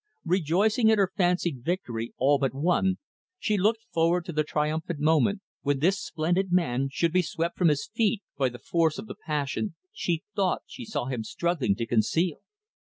Rejoicing in her fancied victory all but won she looked forward to the triumphant moment when this splendid man should be swept from his feet by the force of the passion she thought she saw him struggling to conceal.